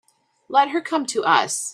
Let her come to us.